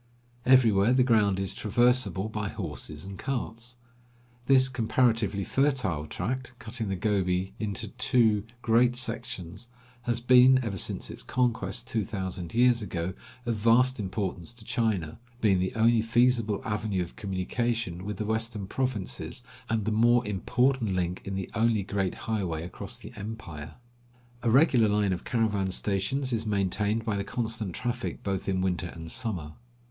Everywhere the ground is traversable by horses and carts. This comparatively fertile tract, cutting the Gobi into two great sections, has been, ever since its conquest two thousand years ago, of vast importance to China, being the only feasible avenue of communication with the western provinces, and the more important link in the only great highway across the empire. A regular line of caravan stations is maintained by the constant traffic both in winter and summer.